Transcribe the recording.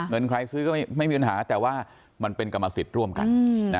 เงินใครซื้อก็ไม่มีปัญหาแต่ว่ามันเป็นกรรมสิทธิ์ร่วมกัน